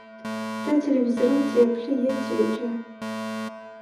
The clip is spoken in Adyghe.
Тэ телевизорым теплъы е теджэ.